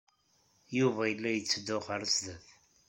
Yuba yella yetteddu ɣer sdat.